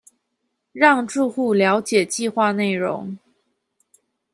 讓住戶瞭解計畫內容